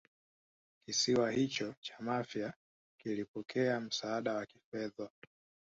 kisiwa hicho cha Mafia kilipokea msaada wa kifedha